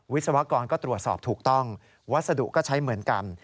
วิศวกรก็ตรวจสอบถูกต้องวัสดุก็ใช้เหมือนกัน